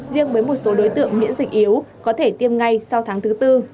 riêng với một số đối tượng miễn dịch yếu có thể tiêm ngay sau tháng thứ tư